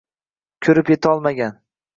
Ko’rib yetolmagan